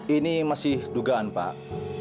ini masih dugaan pak